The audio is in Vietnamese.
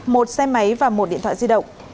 một xe máy và một điện thoại di động